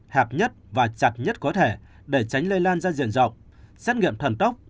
hạc nhất và chặt nhất có thể để tránh lây lan ra diện rộng xét nghiệm thần tốc